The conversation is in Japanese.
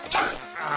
ああ。